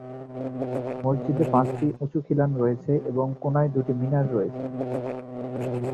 মসজিদে পাঁচটি উঁচু খিলান রয়েছে এবং কোণায় দুটি মিনার রয়েছে।